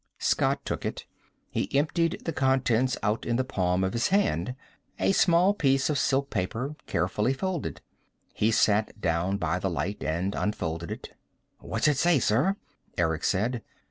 Scott took it. He emptied the contents out in the palm of his hand. A small piece of silk paper, carefully folded. He sat down by the light and unfolded it. "What's it say, sir?" Eric said.